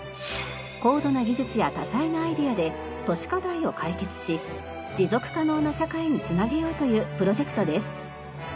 高度な技術や多彩なアイデアで都市課題を解決し持続可能な社会につなげようというプロジェクトです。